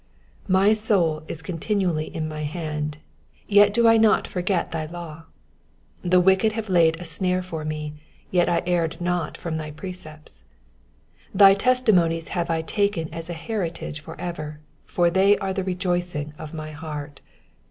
109 My soul is continually in my hand^: yet do I not forget thy law. 1 10 The wicked have laid a snare for me : yet I erred not from thy precepts. 1 1 1 Thy testimonies have I taken as an heritage for ever : for they are the rejoicing of my heart.